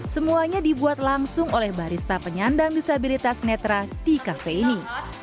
semuanya dibuat langsung oleh barista penyandang disabilitas netra di kafe ini